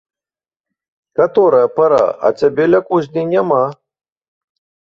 Каторая пара, а цябе ля кузні няма.